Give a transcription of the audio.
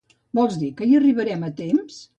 Vols dir que hi arribarem a temps?